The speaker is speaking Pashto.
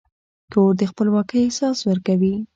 کور د خپلواکۍ احساس ورکوي.